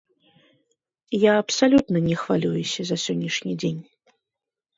Я абсалютна не хвалююся за сённяшні дзень.